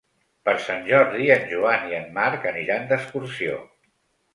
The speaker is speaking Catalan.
Per Sant Jordi en Joan i en Marc aniran d'excursió.